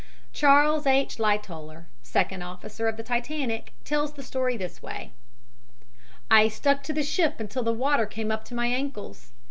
Charles H. Lightoller, second officer of the Titanic, tells the story this way: "I stuck to the ship until the water came up to my ankles.